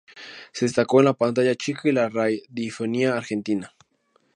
Se destacó en la pantalla chica y la radiofonía argentina.